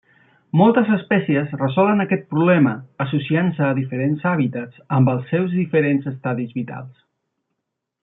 Moltes espècies resolen aquest problema associant-se a diferents hàbitats amb els seus diferents estadis vitals.